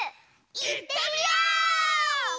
いってみよう！